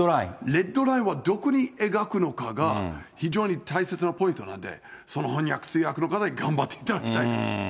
レッドラインはどこに描くのかが、非常に大切なポイントなんで、その翻訳通訳の方に頑張っていただきたいです。